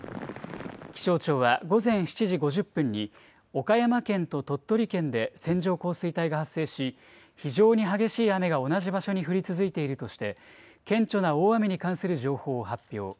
気象庁は午前７時５０分に岡山県と鳥取県で線状降水帯が発生し、非常に激しい雨が同じ場所に降り続いているとして、顕著な大雨に関する情報を発表。